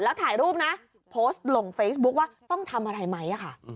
แล้วถ่ายรูปนะโพสต์ลงเฟซบุ๊คว่าต้องทำอะไรไหมค่ะ